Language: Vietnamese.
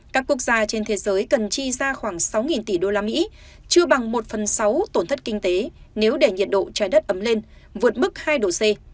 các quốc gia trên thế giới cần chi ra khoảng sáu tỷ usd chưa bằng một phần sáu tổn thất kinh tế nếu để nhiệt độ trái đất ấm lên vượt mức hai độ c